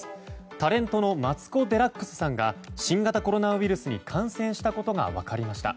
タレントのマツコ・デラックスさんが新型コロナウイルスに感染したことが分かりました。